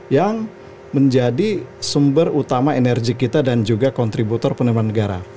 yang menjadi sumber utama energi kita dan juga kontributor penerimaan negara